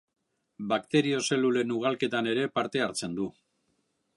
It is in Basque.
Bakterio zelulen ugalketan ere parte hartzen du.